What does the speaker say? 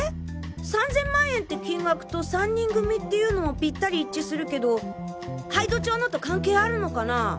３０００万円って金額と３人組っていうのもピッタリ一致するけど杯戸町のと関係あるのかなぁ？